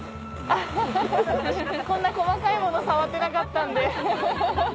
こんな細かいもの触ってなかったんでフフフ。